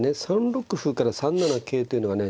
３六歩から３七桂っていうのがね